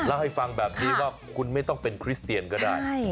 เล่าให้ฟังแบบนี้ว่าคุณไม่ต้องเป็นคริสเตียนก็ได้